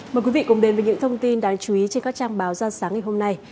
mời quý vị cùng đến với những thông tin đáng chú ý trên các trang báo ra sáng ngày hôm nay